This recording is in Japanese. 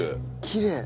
きれい。